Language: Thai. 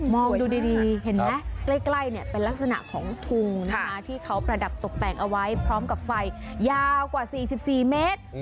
ดูดีเห็นไหมใกล้เป็นลักษณะของทุงนะคะที่เขาประดับตกแต่งเอาไว้พร้อมกับไฟยาวกว่า๔๔เมตร